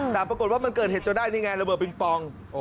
แต่ปรากฏว่ามันเกิดเหตุจนได้นี่ไงระเบิดปิงปอง